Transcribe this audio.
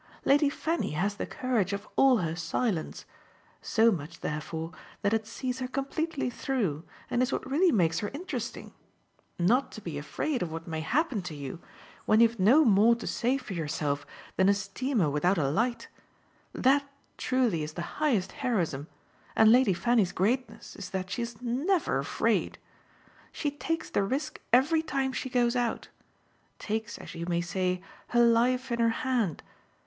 Lady Fanny has the courage of all her silence so much therefore that it sees her completely through and is what really makes her interesting. Not to be afraid of what may happen to you when you've no more to say for yourself than a steamer without a light that truly is the highest heroism, and Lady Fanny's greatness is that she's never afraid. She takes the risk every time she goes out takes, as you may say, her life in her hand.